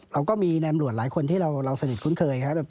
เราก็มีนายอำรวจหลายคนที่เราสนิทคุ้นเคยครับ